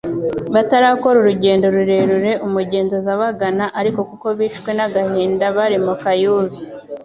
Batarakora uiligendo rurerure, umugenzi aza abagana ariko kuko bishwe n'agahinda bari mu kayubi,